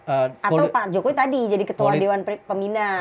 atau pak jokowi tadi jadi ketua dewan pemina atau ketua dewan pertimbangan